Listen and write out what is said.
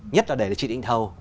nhất là để trị định thầu